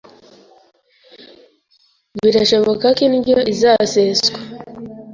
Birashoboka ko Indyo izaseswa.